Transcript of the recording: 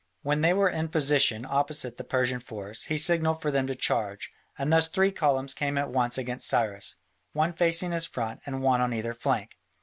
When they were in position opposite the Persian force, he signalled for them to charge, and thus three columns came at once against Cyrus, one facing his front and one on either flank.